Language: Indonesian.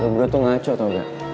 lo berdua tuh ngaco tau gak